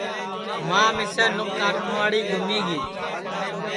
ماں مِسیں نُکھ کاٹٹؔواڑی گُمی گی